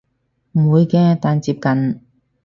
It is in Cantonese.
唔會嘅但接近